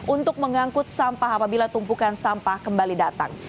untuk mengangkut sampah apabila tumpukan sampah kembali datang